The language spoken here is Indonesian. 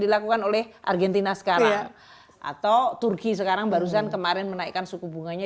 dilakukan oleh argentina sekarang atau turki sekarang barusan kemarin menaikkan suku bunganya